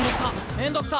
面倒くさ！